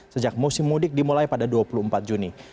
sejak musim mudik dimulai pada dua puluh empat juni